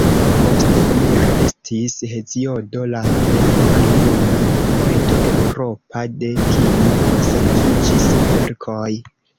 Post Homero estis Heziodo la plej maljuna poeto europa, de kiu konserviĝis verkoj.